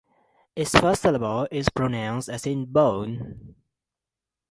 Its first syllable is pronounced as in "bone".